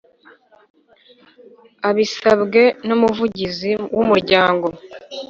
Abisabwe n Umuvugizi w Umuryango